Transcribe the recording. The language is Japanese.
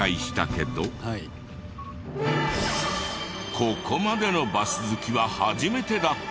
ここまでのバス好きは初めてだった！